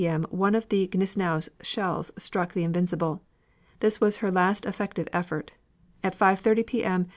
M. one of the Gneisenau's shells struck the Invincible. This was her last effective effort. At 5.30 P. M.